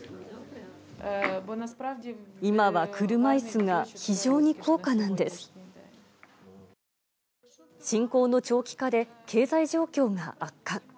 今は車いすが非常に高価なん侵攻の長期化で、経済状況が悪化。